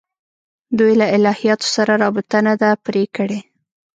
دوی له الهیاتو سره رابطه نه ده پرې کړې.